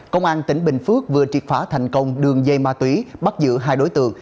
công an tỉnh bình phước vừa triệt phá thành công đường dây ma túy bắt giữ hai đối tượng